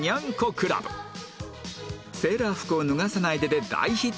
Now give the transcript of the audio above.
『セーラー服を脱がさないで』で大ヒット